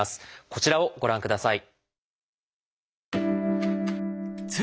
こちらをご覧ください。